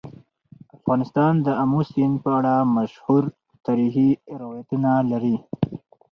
افغانستان د آمو سیند په اړه مشهور تاریخی روایتونه لري.